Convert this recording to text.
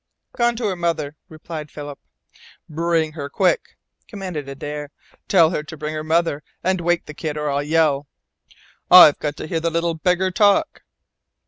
"Gone to her mother," replied Philip. "Bring her quick!" commanded Adare. "Tell her to bring her mother and wake the kid or I'll yell. I've got to hear the little beggar talk."